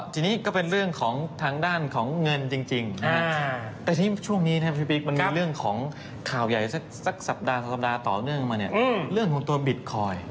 ทีนี้ก็เป็นเรื่องของทางด้านของเงินจริงแต่ทีนี้ช่วงนี้นะครับพี่ปิ๊กมันมีเรื่องของข่าวใหญ่สักสัปดาห์ต่อเนื่องมาเนี่ยเรื่องของตัวบิตคอยน์